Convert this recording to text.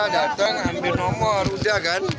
datang ambil nomor udah kan